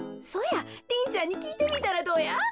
そやリンちゃんにきいてみたらどや？